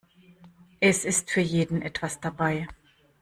Es ist für jeden etwas dabei.